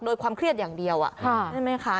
โดยความเครียดอย่างเดียวใช่ไหมคะ